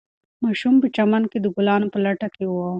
ماشوم په چمن کې د ګلانو په لټه کې و.